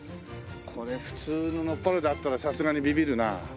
これ普通の野っ原で会ったらさすがにビビるな。